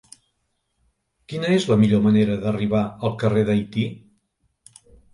Quina és la millor manera d'arribar al carrer d'Haití?